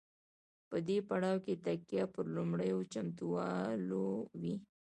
په دې پړاو کې تکیه پر لومړنیو چمتووالو وي.